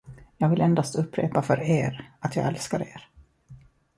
Jag vill endast upprepa för er, att jag älskar er.